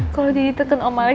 kalau deddy tekan om alec